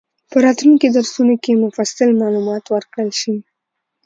په راتلونکي درسونو کې مفصل معلومات ورکړل شي.